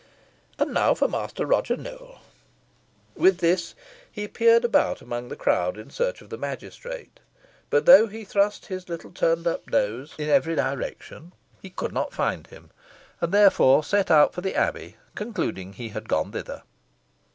And now, for Master Roger Nowell." With this, he peered about among the crowd in search of the magistrate, but though he thrust his little turned up nose in every direction, he could not find him, and therefore set out for the Abbey, concluding he had gone thither.